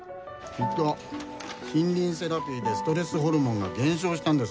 きっと森林セラピーでストレスホルモンが減少したんですよ。